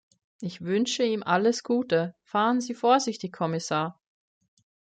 Ich wünsche ihm alles Gute – fahren Sie vorsichtig, Kommissar!